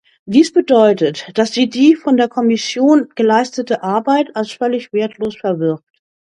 Dies bedeutet, dass sie die von der Kommission geleistete Arbeit als völlig wertlos verwirft.